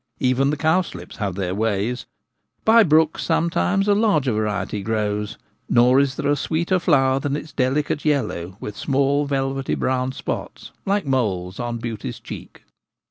Even the cowslips have their ways : by brooks some times a larger variety grows ; nor is there a sweeter flower than its delicate yellow with small velvety brown spots, like moles on beauty's cheek.